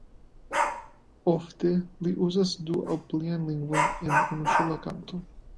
Ofte li uzas du aŭ pliajn lingvojn en unusola kanto.